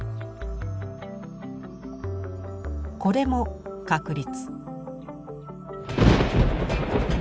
これも確率。